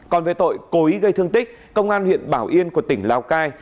còn về tội cố ý gây thương tích công an huyện bảo yên của tỉnh lào cai